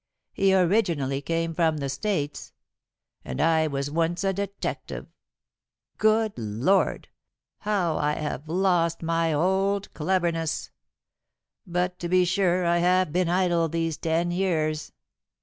He originally came from the States. And I was once a detective! Good Lord, how I have lost my old cleverness! But to be sure I have been idle these ten years."